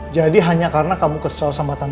jadi hanya karena kamu kesel sama tante preti